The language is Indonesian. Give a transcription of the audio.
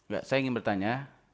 saya ingin bertanya